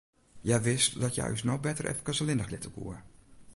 Hja wist dat hja ús no better efkes allinnich litte koe.